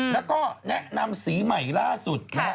แล้วก็แนะนำสีใหม่ล่าสุดนะฮะ